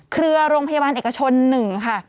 เครือโรงพยาบาลเอกชน๑ค่ะ